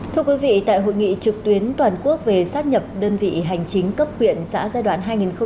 thưa quý vị tại hội nghị trực tuyến toàn quốc về xác nhập đơn vị hành chính cấp quyện giã giai đoạn hai nghìn hai mươi ba hai nghìn hai mươi năm